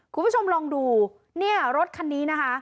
คุณผู้ชมลองดูเนี่ยรถคันนี้นะคะ